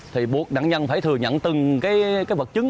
thì buộc nạn nhân phải thừa nhận từng cái vật chứng